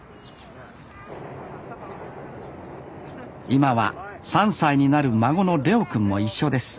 今は３歳になる孫の怜央くんも一緒です